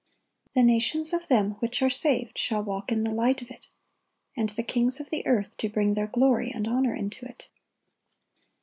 "The nations of them which are saved shall walk in the light of it: and the kings of the earth do bring their glory and honor into it."